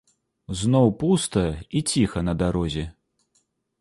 Зноў пуста і ціха на дарозе.